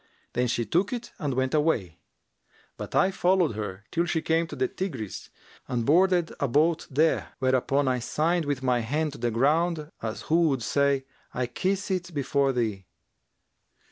Then she took it and went away; but I followed her, till she came to the Tigris and boarded a boat there, whereupon I signed with my hand to the ground, as who should say, 'I kiss it before thee.'